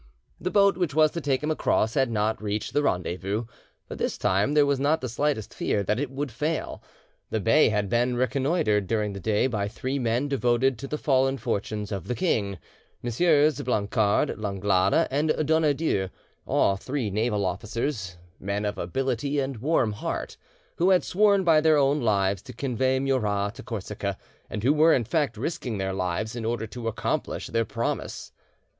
The boat which was to take him across had not reached the rendezvous, but this time there was not the slightest fear that it would fail; the bay had been reconnoitred during the day by three men devoted to the fallen fortunes of the king—Messieurs Blancard, Langlade, and Donadieu, all three naval officers, men of ability and warm heart, who had sworn by their own lives to convey Murat to Corsica, and who were in fact risking their lives in order to accomplish their promise.